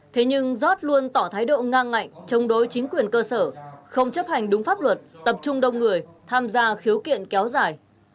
thế nhưng giót luôn tỏ thái độ ngang ngạnh chống đối chính quyền cơ sở không chấp hành đúng pháp luật tập trung đông người tham gia khiếu kiện kéo dài